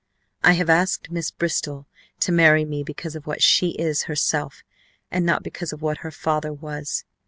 I have asked Miss Bristol to marry me because of what she is herself, and not because of what her father was.